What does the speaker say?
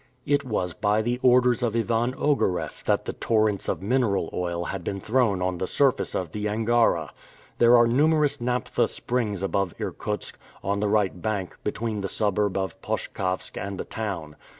It was by the orders of Ivan Ogareff that the torrents of mineral oil had been thrown on the surface of the Angara! There are numerous naphtha springs above Irkutsk, on the right bank, between the suburb of Poshkavsk and the town.